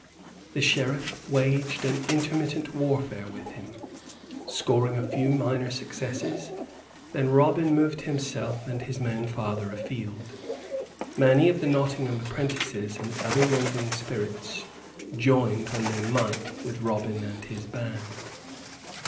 The Sheriff waged an intermittent warfare with him, scoring a few minor successes; then Robin moved himself and his men farther afield. Many of the Nottingham apprentices and other roving spirits joined when they might with Robin and his band.